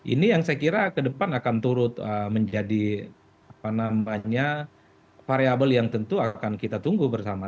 ini yang saya kira ke depan akan turut menjadi variabel yang tentu akan kita tunggu bersama